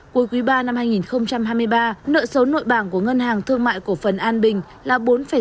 cuối quý ba năm hai nghìn hai mươi ba nợ số nội bảng của ngân hàng thương mại cổ phần an bình là bốn sáu